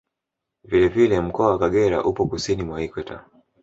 Vile vile mkoa wa Kagera upo Kusini mwa Ikweta